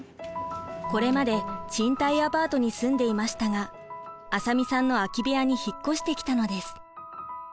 これまで賃貸アパートに住んでいましたが浅見さんの空き部屋に引っ越してきたのです。